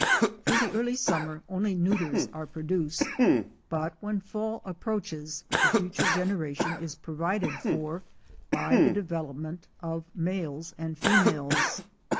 Through the early summer only neuters are produced, but when fall approaches the future generation is provided for by the development of males and females.